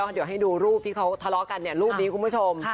เดี๋ยวให้ดูรูปที่เขาทะเลาะกันรูปนี้คุณผู้ชม